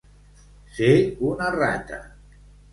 Ser una rata.